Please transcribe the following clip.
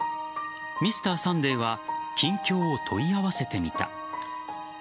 「Ｍｒ．サンデー」は近況を問い合わせてみた。